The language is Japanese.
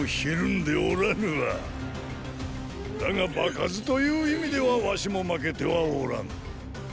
だが場数という意味では儂も負けてはおらぬ。